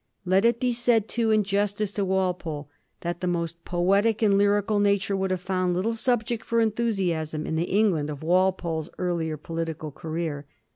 Let it be said, too, in justice to Walpole, that the most poetic and lyrical nature would have found little subject for enthusiasm in the England of Walpole's earlier political career.